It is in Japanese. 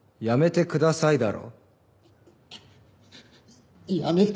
やめてください。